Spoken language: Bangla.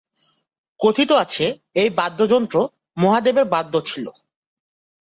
কথিত আছে, এই বাদ্যযন্ত্র মহাদেবের বাদ্য ছিল।